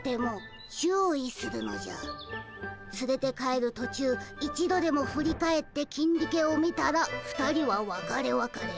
つれて帰る途中一度でも振り返ってキンディケを見たら２人はわかれわかれ。